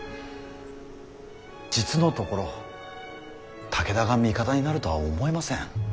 実のところ武田が味方になるとは思えません。